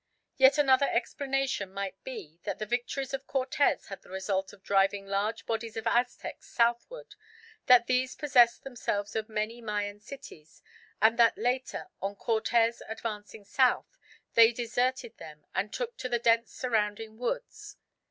Yet another explanation might be that the victories of Cortes had the result of driving large bodies of Aztecs southward; that these possessed themselves of many Mayan cities; and that later, on Cortes advancing south, they deserted them and took to the dense surrounding woods.